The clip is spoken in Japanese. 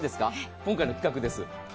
今回の企画です。